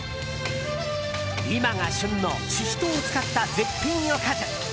今が旬のシシトウを使った絶品おかず。